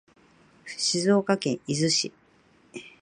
静岡県伊豆市